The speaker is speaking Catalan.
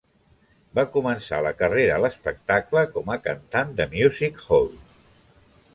Va començar la carrera en l'espectacle com a cantant de music-hall.